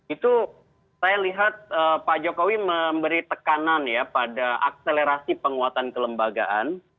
itu saya lihat pak jokowi memberi tekanan ya pada akselerasi penguatan kelembagaan